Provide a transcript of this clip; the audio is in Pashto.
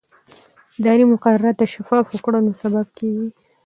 اداري مقررات د شفافو کړنو سبب کېږي.